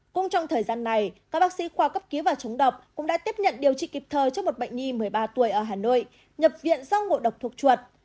cũng trong thời gian này các bác sĩ khoa cấp cứu và chống độc cũng đã tiếp nhận điều trị kịp thời cho một bệnh nhi một mươi ba tuổi ở hà nội nhập viện do ngộ độc thuộc chuột